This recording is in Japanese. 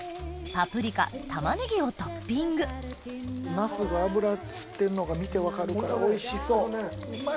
パプリカタマネギをトッピングナスが油吸ってるのが見て分かるからおいしそう！